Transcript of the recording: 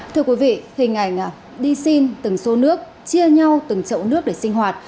thưa quý vị hình ảnh đi xin từng xô nước chia nhau từng chậu nước để sinh hoạt